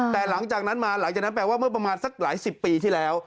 แต่หลังจากนั้นมาหลังจากนั้นแปลว่าเมื่อประมาณสักหลายสิบปีที่แล้ว